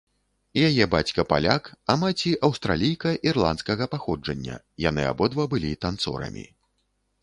Яе бацька паляк, а маці аўстралійка ірландскага паходжання, яны абодва былі танцорамі.